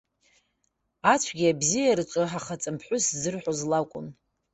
Ацәгьеи-абзиеи рҿы ахаҵамԥҳәыс ззырҳәоз лакәын.